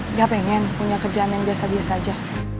nggak pengen punya kerjaan yang biasa biasa aja